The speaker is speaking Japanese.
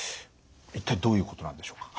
一体どういうことなんでしょうか？